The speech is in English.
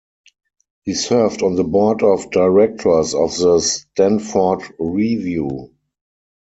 He served on the board of directors of The Stanford Review.